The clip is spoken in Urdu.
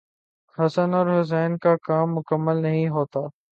حسن اور حسین کا کام مکمل نہیں ہوتا۔